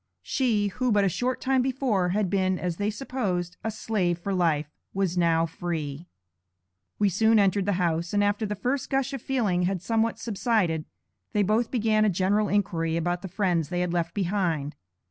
She, who but a short time before, had been, as they supposed, a slave for life, was now free. We soon entered the house, and after the first gush of feeling had somewhat subsided, they both began a general inquiry about the friends they had left behind.